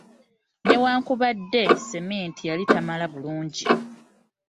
Newankubadde simenti yali tamala bulungi.